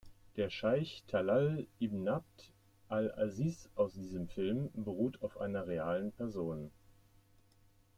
Der Scheich Talal ibn Abd al-Aziz aus diesem Film beruht auf einer realen Person.